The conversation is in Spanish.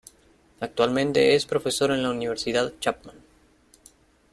Actualmente es profesor en la Universidad Chapman.